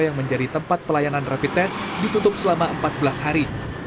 yang menjadi tempat pelayanan rapid test ditutup selama empat belas hari